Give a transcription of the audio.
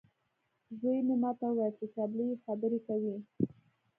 زوی مې ماته وویل چې چپلۍ یې خبرې کوي.